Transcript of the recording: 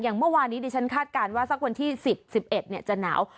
เมื่อวานนี้ดิฉันคาดการณ์ว่าสักวันที่๑๐๑๑จะหนาว